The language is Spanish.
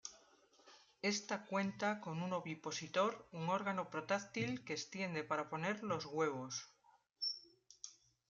Ésta cuenta con un ovipositor, un órgano protráctil que extiende para poner los huevos.